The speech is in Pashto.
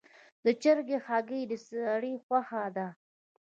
د چرګې هګۍ د سړي خوښه ده.